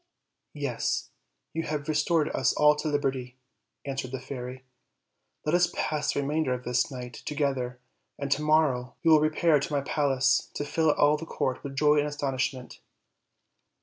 "Yes, you have restored us all to liberty," answered the fairy; "let us pass the remainder of this night to gether, and to morrow we will repair to my palace to fill all the court with joy and astonishment."